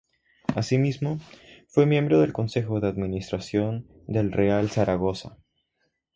Asimismo, fue miembro del Consejo de Administración del Real Zaragoza.